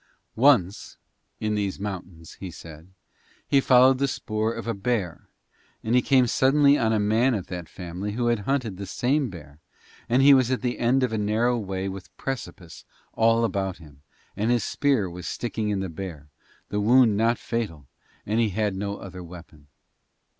Once in these mountains, he said, he followed the spoor of a bear, and he came suddenly on a man of that family who had hunted the same bear, and he was at the end of a narrow way with precipice all about him, and his spear was sticking in the bear, and the wound not fatal, and he had no other weapon.